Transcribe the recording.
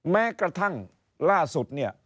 แม้กระทั่งล่าสุดเนี่ย